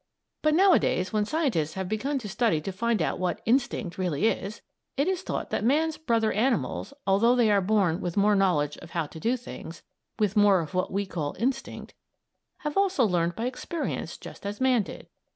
But nowadays when scientists have begun to study to find out what "instinct" really is, it is thought that man's brother animals, although they are born with more knowledge of how to do things with more of what we call "instinct" have also learned by experience just as man did.